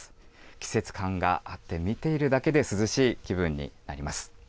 季節感があって見ているだけで涼しい気分になります。